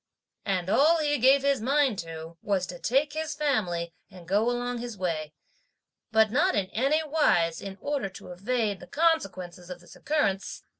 And all he gave his mind to was to take his family and go along on his way; but not in any wise in order to evade (the consequences) of this (occurrence).